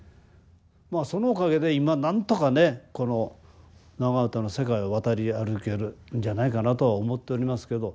まあそのおかげで今なんとかねこの長唄の世界を渡り歩けるんじゃないかなとは思っておりますけれど。